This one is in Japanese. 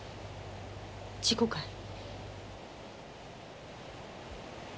事故かい？